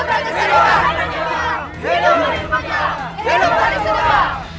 hidup raja seroa hidup raja seroa hidup raja seroa hidup raja seroa